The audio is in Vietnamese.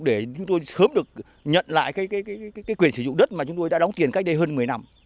để chúng tôi sớm được nhận lại quyền sử dụng đất mà chúng tôi đã đóng tiền cách đây hơn một mươi năm